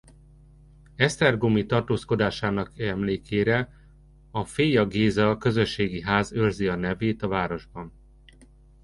Esztergomi tartózkodásának emlékére a Féja Géza Közösségi Ház őrzi a nevét a városban.